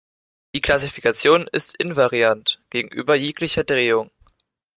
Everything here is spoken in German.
Die Klassifikation ist invariant gegenüber jeglicher Drehung.